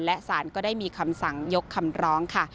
และสารก็ได้มีคำสั่งยกคำร้องค่ะ